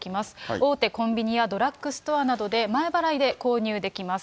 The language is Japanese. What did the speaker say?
大手コンビニやドラッグストアなどで、前払いで購入できます。